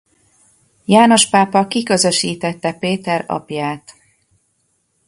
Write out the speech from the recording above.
János pápa kiközösítette Péter apját.